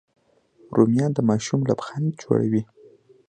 رومیان د ماشوم لبخند جوړوي